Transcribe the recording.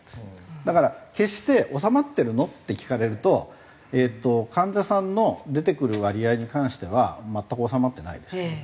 だから決して収まってるの？って聞かれると患者さんの出てくる割合に関しては全く収まってないです。